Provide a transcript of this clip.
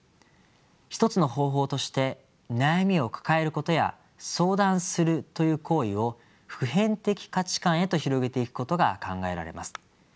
一つの方法として悩みを抱えることや相談するという行為を普遍的価値観へと広げていくことが考えられます。